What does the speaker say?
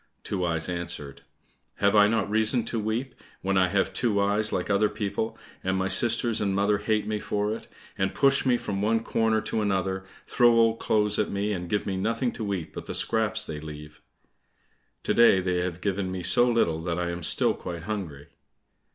Two Eyes answered, "Have I not reason to weep, when I have two eyes like other people, and my sisters and mother hate me for it, and push me from one corner to another, throw old clothes at me, and give me nothing to eat but the scraps they leave? To day they have given me so little that I am still quite hungry."